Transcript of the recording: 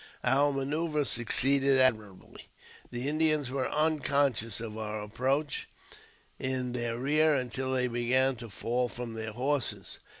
Our manoeuvre succeeded admirably. The Indians were unconscious of our approach in their rear until they began to fall from their horses.